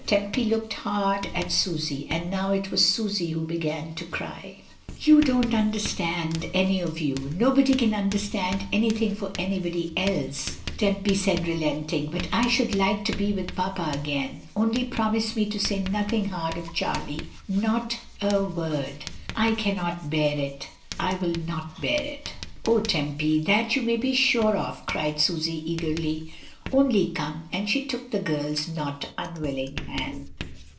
Tempy looked hard at Susy, and now it was Susy who began to cry. "You don't understand, any of you — nobody can understand anything for anybody else," Tempy said relenting; "but I should like to be with papa again, only promise me to say nothing hard of Charlie — not a word — I cannot bear it, I will not bear it." "O Tempy, that you may be sure of," cried Susy, eagerly, "only come!'* and she took the girl's not unwilling hand.